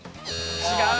違う！